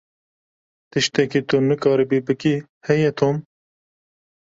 Tiştekî tu nikaribî bikî, heye Tom?